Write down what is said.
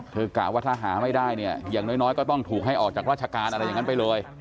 เธอกะว่าถ้าหาไม่ได้อย่างน้อยก็ต้องถูกให้ออกจากราชการไปเลย